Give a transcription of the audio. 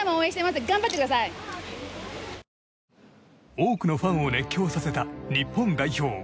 多くのファンを熱狂させた日本代表。